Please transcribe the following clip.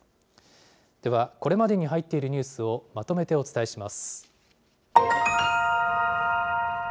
では、これまでに入っているニュースをまとめてお伝えします。